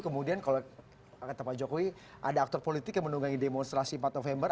kemudian kalau kata pak jokowi ada aktor politik yang menunggangi demonstrasi empat november